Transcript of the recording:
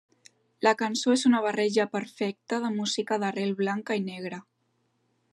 La cançó és una barreja perfecta de música d'arrel blanca i negra.